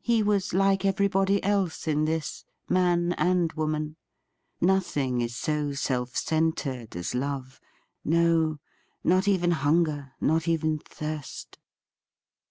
He was like everybody else in this — man and woman. Nothing is so self centred as love ; no, not even hunger, not even thirst.